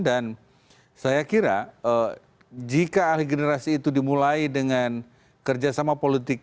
dan saya kira jika alih generasi itu dimulai dengan kerjasama politik